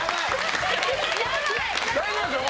大丈夫ですよ。